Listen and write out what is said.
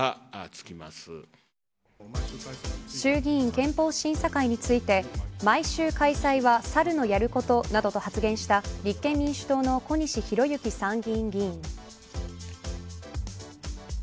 憲法審査会について毎週開催はサルのやることなどと発言した立憲民主党の小西洋之参議院議員。